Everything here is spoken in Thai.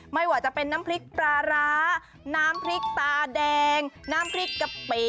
ไม่ว่าจะเป็นน้ำพริกปลาร้าน้ำพริกตาแดงน้ำพริกกะปิ